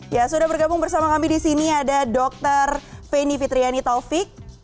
ya sudah bergabung bersama kami disini ada dokter feni fitriani taufik